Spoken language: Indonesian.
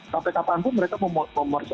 sampai kapanpun mereka memori